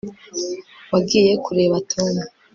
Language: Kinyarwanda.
wagiye kureba tom